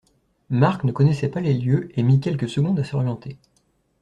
Marc ne connaissait pas les lieux et mit quelques secondes à s’orienter.